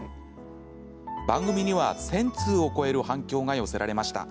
番組には、１０００通を超える反響が寄せられました。